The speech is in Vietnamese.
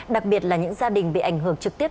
đặc biệt là những gia đình bị ảnh hưởng trực tiếp